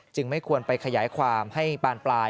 ไม่ควรไปขยายความให้บานปลาย